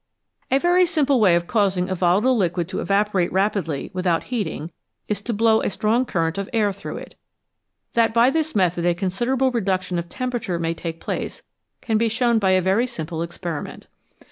A very simple way of causing a volatile liquid to eva porate rapidly without heating is to blow a strong current of air through it. That by this method a considerable reduction of temperature may take place can be shown by a very simple experiment.